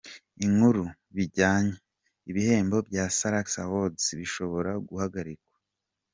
Inkuru bijyanye:Ibihembo bya Salax Awards bishobora guhagarikwa.